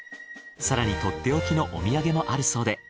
更にとっておきのお土産もあるそうで。